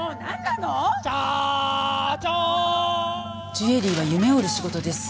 ジュエリーは夢を売る仕事です。